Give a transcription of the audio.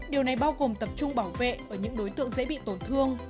điều này bao gồm tập trung bảo vệ ở những đối tượng dễ bị tổn thương